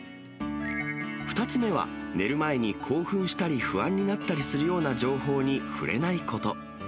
２つ目は、寝る前に興奮したり不安になったりするような情報に触れないこと。